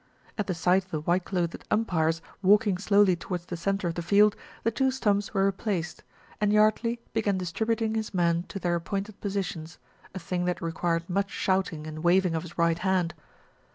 At the sight of the white clothed umpires walking slowly towards the centre of the field, the two stumps 195 were replaced, and Yardley began distributing his men to their appointed positions, a thing that required much shouting and waving of his right hand.